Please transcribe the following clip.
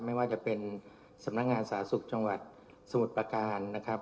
ไม่ว่าจะเป็นสำนักงานสาธารณสุขจังหวัดสมุทรประการนะครับ